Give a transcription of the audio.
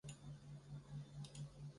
主要岛屿为萨拉米斯岛。